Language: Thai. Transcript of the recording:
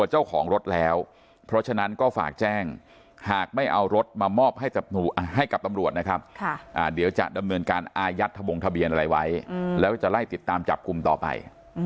หากไม่เอารถมามอบให้กับตำรวจนะครับเดี๋ยวจะดำเนินการอายัดทะบงทะเบียนอะไรไว้แล้วจะไล่ติดตามจับกลุ่มต่อไป